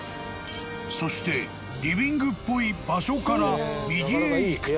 ［そしてリビングっぽい場所から右へ行くと］